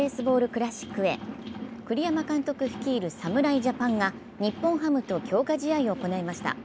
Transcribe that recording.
クラシックへ栗山監督率いる侍ジャパンが日本ハムと強化試合を行いました。